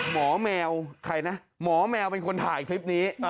แมวใครนะหมอแมวเป็นคนถ่ายคลิปนี้